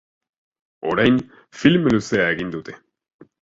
Orain, film luzea egin dute.